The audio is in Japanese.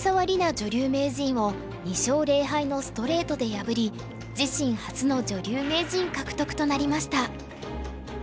女流名人を２勝０敗のストレートで破り自身初の女流名人獲得となりました。